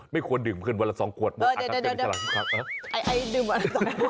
ไม่ควรดื่มเพื่อนวันละสองขวดเออเดี๋ยวไอ้ดื่มวันละสองขวด